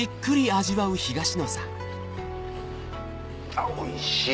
あっおいしい。